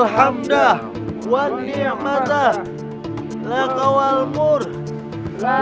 gak ada yang gimana mana pokoknya